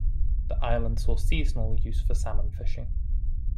The island saw seasonal use for salmon fishing.